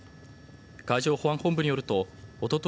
海上保安本部によるとおととい